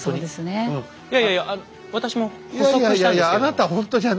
いやいやいや私も歩測したんですけども！